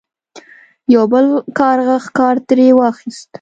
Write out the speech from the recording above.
یو بل کارغه ښکار ترې واخیست.